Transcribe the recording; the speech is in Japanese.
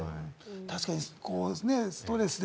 確かにストレスで